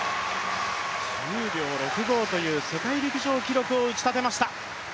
１０秒６５という世界陸上記録を打ちたてました。